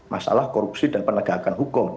masalah korupsi dan penegakan hukum